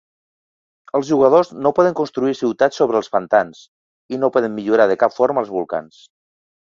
Els jugadors no poden construir ciutats sobre els pantans, i no poden millorar de cap forma els volcans.